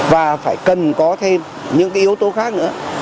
và phải cần có thêm những cái yếu tố khác nữa